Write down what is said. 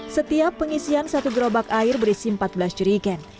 setiap pengisian satu gerobak air berisi empat belas jerigen